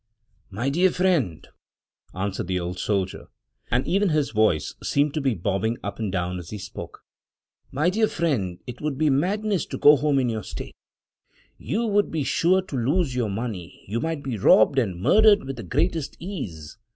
"My dear friend," answered the old soldier — and even his voice seemed to be bobbing up and down as he spoke —"my dear friend, it would be madness to go home in your state; you would be sure to lose your money; you might be robbed and murdered with the greatest ease.